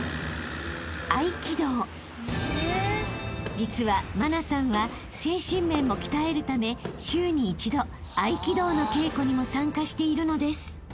［実は茉奈さんは精神面も鍛えるため週に１度合気道の稽古にも参加しているのです］